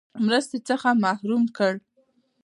مرستې څخه محروم کړل.